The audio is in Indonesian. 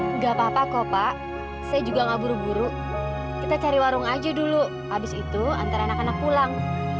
enggak apa apa kok pak saya juga gak buru buru kita cari warung aja dulu abis itu antara anak anak pulang